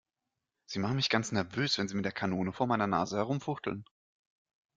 Sie machen mich ganz nervös, wenn Sie mit der Kanone vor meiner Nase herumfuchteln.